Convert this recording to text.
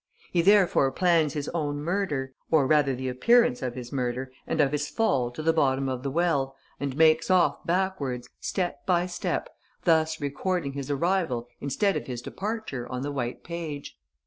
He therefore plans his own murder, or rather the appearance of his murder and of his fall to the bottom of the well and makes off backwards, step by step, thus recording his arrival instead of his departure on the white page."